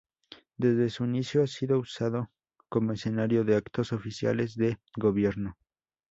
Desde su inicio ha sido usado como escenario de actos oficiales de gobierno.